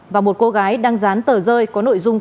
và một cô gái đang dán tờ rơi có nội dung